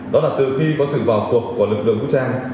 đó là từ khi có sự vào cuộc của lực lượng vũ trang